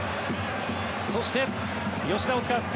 そして、吉田を使う。